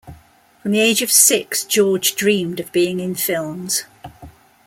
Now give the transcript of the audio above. From the age of six, George dreamed of being in films.